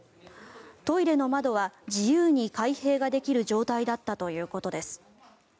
トイレの窓は自由に開閉ができる状態だったということです。